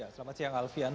selamat siang alfian